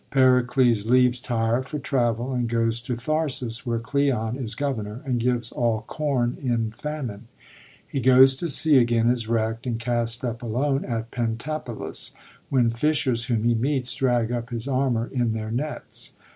Pericles leaves Tyre for travel, and goes to Tharsus, where Cleon is governor, and gives all com in famine. He goes to sea again, is wreckt, and cast up alone at Pentapolis, when fishers, whom he meets, drag up his armor in their nets.